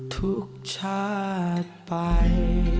ทุกชาติไป